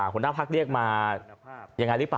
หัวหน้าพักร์เรียกมาอย่างไรรีบไป